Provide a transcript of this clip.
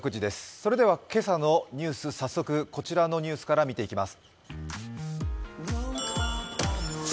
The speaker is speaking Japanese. それでは今朝のニュース早速こちらのニュースから見ていきます。